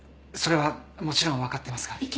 それはもちろん分かってますが。